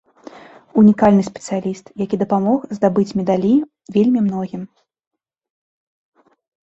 Унікальны спецыяліст, які дапамог здабыць медалі вельмі многім.